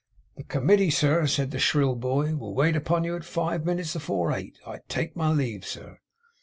'The Com mittee, sir,' said the shrill boy, 'will wait upon you at five minutes afore eight. I take My leave, sir!